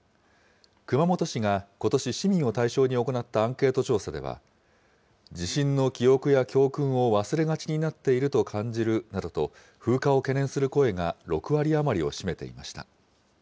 熊本市がことし市民を対象に行ったアンケート調査では、地震の記憶や教訓を忘れがちになっていると感じるなどと、風化を懸念する声が６割余りを占めていました。